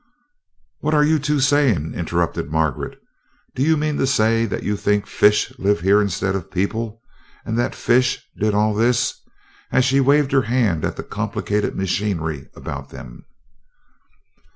"What are you two saying?" interrupted Margaret. "Do you mean to say that you think fish live here instead of people, and that fish did all this?" as she waved her hand at the complicated machinery about them.